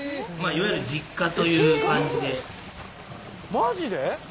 マジで？